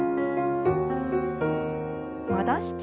戻して。